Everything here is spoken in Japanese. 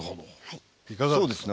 いかがですか？